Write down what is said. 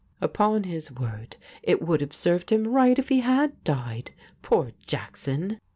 Upon his word, it would have served him right if he had died. Poor Jackson